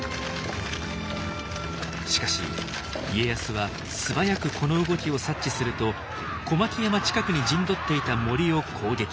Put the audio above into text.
しかし家康は素早くこの動きを察知すると小牧山近くに陣取っていた森を攻撃。